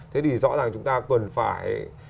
thế thì rõ ràng chúng ta cần phải